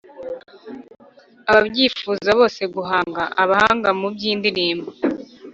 ababyifuza bose guhanga. abahanga mu by’indirimbo